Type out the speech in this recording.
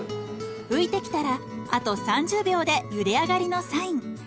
浮いてきたらあと３０秒でゆで上がりのサイン。